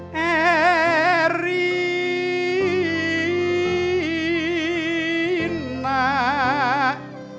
malam sekarang ini waktu ini